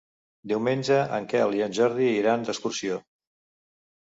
Diumenge en Quel i en Jordi iran d'excursió.